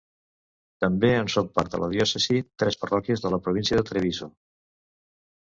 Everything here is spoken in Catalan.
També en són part de la diòcesi tres parròquies de la província de Treviso.